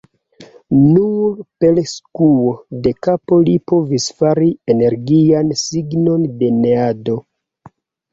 Nur per skuo de kapo li povis fari energian signon de neado.